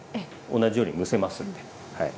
同じように蒸せますんではい。